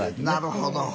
なるほど。